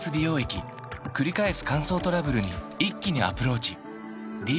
くり返す乾燥トラブルに一気にアプローチ